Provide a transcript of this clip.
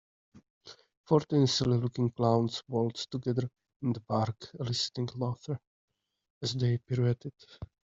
Fourteen silly looking clowns waltzed together in the park eliciting laughter as they pirouetted.